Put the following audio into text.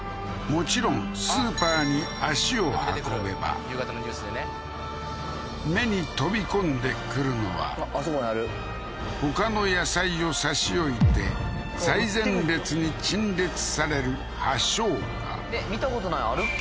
もちろんスーパーに足を運べば目に飛び込んでくるのはほかの野菜を差し置いて最前列に陳列される葉生姜見たことないあるっけ？